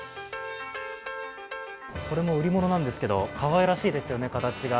これも売り物なんですけどかわいらしいですよね、形が。